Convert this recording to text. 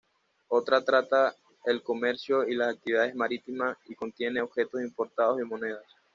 Otra trata el comercio y las actividades marítimas y contiene objetos importados y monedas.